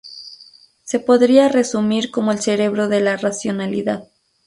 Se podría resumir como el cerebro de la racionalidad.